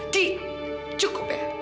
di cukup ya